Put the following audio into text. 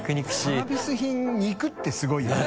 サービス品肉ってすごいよね。